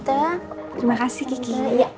terima kasih kiki